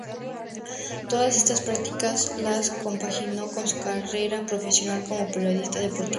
Todas estas prácticas las compaginó con su carrera profesional como periodista deportivo.